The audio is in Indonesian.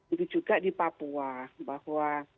itu juga di papua bahwa